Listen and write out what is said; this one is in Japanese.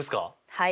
はい。